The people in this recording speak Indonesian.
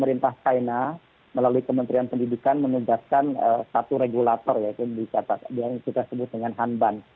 pemerintah china melalui kementerian pendidikan menugaskan satu regulator yaitu yang kita sebut dengan hanban